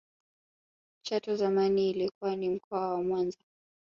chato zamani ilikuwa ni mkoa wa mwanza